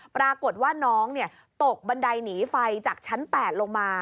ปรากฏว่าน้องตกบันไดหนีไฟจากชั้น๘ลงมา